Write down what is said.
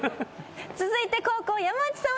続いて後攻山内さん